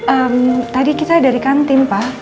ehm tadi kita dari kantim pak